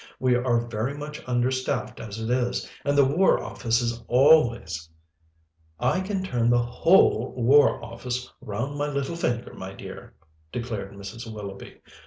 We are very much understaffed as it is, and the War Office is always " "I can turn the whole War Office round my little finger, my dear," declared Mrs. Willoughby.